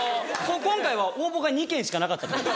今回は応募が２件しかなかった？